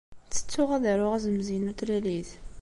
Ttettuɣ ad aruɣ azemz-inu n tlalit.